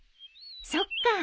そっか。